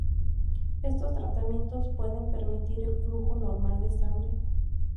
Estos tratamientos pueden permitir el flujo normal de sangre.